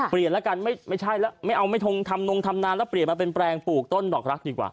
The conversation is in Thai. เปลี่ยนแล้วกันไม่ใช่แล้วไม่เอาไม่ทงทำนงทำนานแล้วเปลี่ยนมาเป็นแปลงปลูกต้นดอกรักดีกว่า